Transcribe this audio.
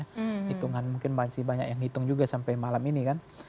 hitungan mungkin masih banyak yang ngitung juga sampai malam ini kan